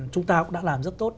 chúng ta cũng đã làm rất tốt